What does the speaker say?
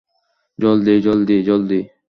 জলদি, জলদি, জলদি!